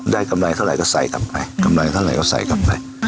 ได้กำไรเท่าไหร่ก็ใส่กลับไป